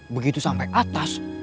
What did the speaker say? begitu sampai atas